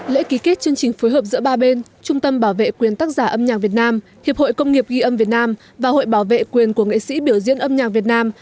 lễ ký kết chương trình phối hợp giữa ba bên trung tâm bảo vệ quyền tác giả âm nhạc việt nam hiệp hội công nghiệp ghi âm việt nam và hội bảo vệ quyền của nghệ sĩ biểu diễn âm nhạc việt nam